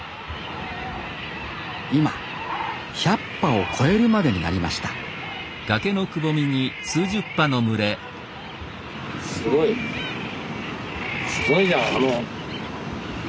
今１００羽を超えるまでになりましたすごいじゃん。